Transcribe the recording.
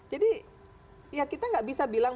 jadi ya kita tidak bisa bilang